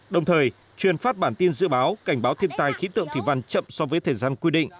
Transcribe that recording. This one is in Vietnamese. đồng thời truyền phát bản tin dự báo cảnh báo thiên tai khí tượng thủy văn chậm so với thời gian quy định